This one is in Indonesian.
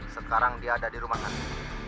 sekarang dia ada di rumah sakit